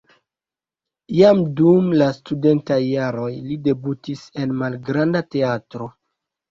Jam dum la studentaj jaroj li debutis en malgranda teatro.